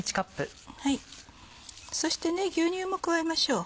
そして牛乳も加えましょう。